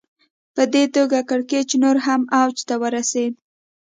په دې توګه کړکېچ نور هم اوج ته ورسېد